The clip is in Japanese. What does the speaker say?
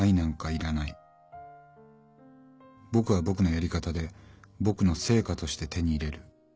僕は僕のやり方で僕の成果として手に入れる。